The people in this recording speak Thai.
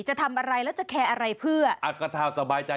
จะทำไปก็ไม่ได้ว่าอะไร